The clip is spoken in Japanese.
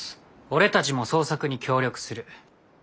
俺たちも捜索に協力する。